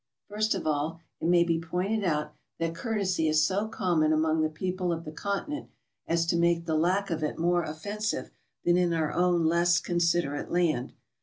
First of all it may be pointed out that courtesy is so common among the people of the Continent as to make the lack of it more offensive than in our own less consider ate land.